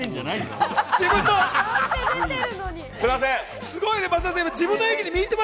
すみません。